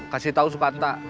kasih tau sepanta